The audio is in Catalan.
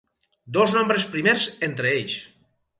Dos nombres primers entre ells.